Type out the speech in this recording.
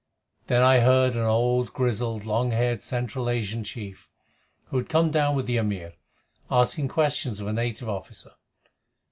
Then I heard an old grizzled, long haired Central Asian chief, who had come down with the Amir, asking questions of a native officer.